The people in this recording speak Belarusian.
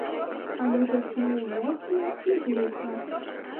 Але заснуў моцна і глуха.